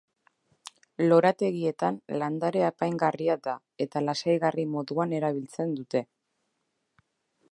Lorategietan landare apaingarria da eta lasaigarri moduan erabiltzen dute.